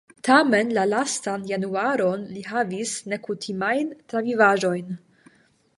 Tamen la lastan januaron li havis nekutimajn travivaĵojn.